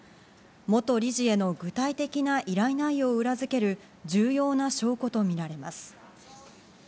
元理事への具体的な依頼内容を裏付ける重要な証拠とみられます。